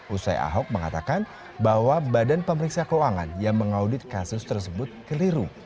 usai ahok mengatakan bahwa badan pemeriksa keuangan yang mengaudit kasus tersebut keliru